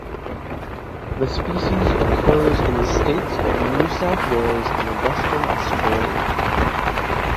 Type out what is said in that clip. The species occurs in the states of New South Wales and Western Australia.